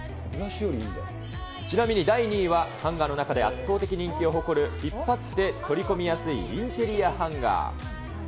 ちなみに第２位は、ハンガーの中で圧倒的人気を誇る引っ張って取り込みやすいインテリアハンガー。